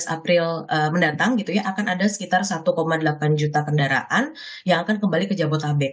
sepuluh delapan belas april mendatang akan ada sekitar satu delapan juta kendaraan yang akan kembali ke jabodabek